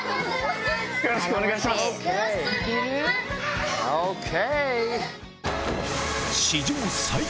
よろしくお願いします！ＯＫ！